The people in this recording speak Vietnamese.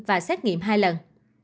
và xét nghiệm hai lần